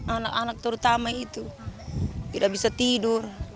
anak anak terutama itu tidak bisa tidur